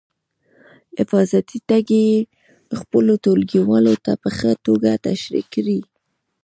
حفاظتي ټکي یې خپلو ټولګیوالو ته په ښه توګه تشریح کړئ.